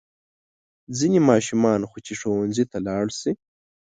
ځینې ماشومان خو چې ښوونځي ته لاړ شي.